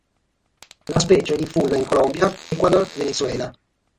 La specie è diffusa in Colombia, Ecuador e Venezuela.